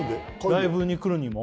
ライブに来るにも？